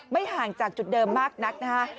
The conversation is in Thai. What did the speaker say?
ห่างจากจุดเดิมมากนักนะฮะ